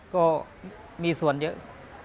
ก็มีส่วนเยอะ